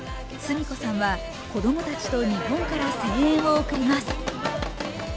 純子さんは子供たちと日本から声援を送ります。